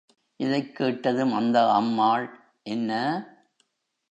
இதைக் கேட்டதும் அந்த அம்மாள், என்ன!